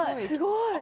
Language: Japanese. すごい。